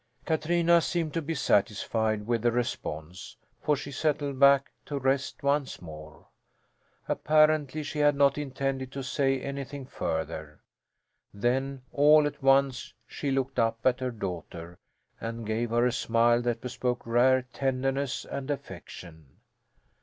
Katrina seemed to be satisfied with the response, for she settled back to rest once more. Apparently she had not intended to say anything further. Then, all at once, she looked up at her daughter and gave her a smile that bespoke rare tenderness and affection.